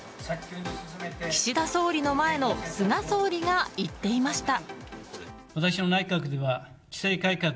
岸田総理の前の菅総理が言っていました。